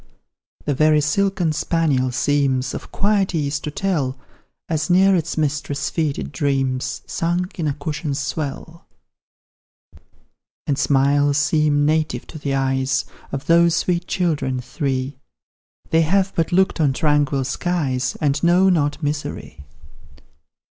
The very silken spaniel seems Of quiet ease to tell, As near its mistress' feet it dreams, Sunk in a cushion's swell And smiles seem native to the eyes Of those sweet children, three; They have but looked on tranquil skies, And know not misery.